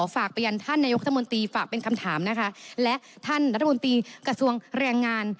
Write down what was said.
ฝากไปยังท่านนายกรัฐมนตรีฝากเป็นคำถามนะคะและท่านรัฐมนตรีกระทรวงแรงงาน